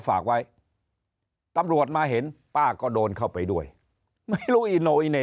ฝากไว้ตำรวจมาเห็นป้าก็โดนเข้าไปด้วยไม่รู้อีโนอิเน่